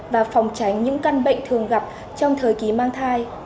và phòng tránh những căn bệnh thường gặp trong thời kỳ mang thai